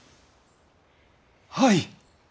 はい！